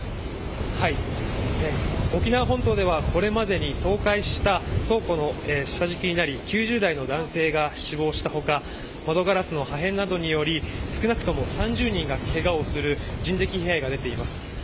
沖縄本島では、これまでに倒壊した倉庫の下敷きになり９０代の男性が死亡した他窓ガラスの破片などにより少なくとも３０人がけがをする人的被害が出ています。